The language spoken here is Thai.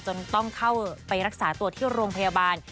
จนต้องเข้าไปรักษาตัวที่โรงพยาบาล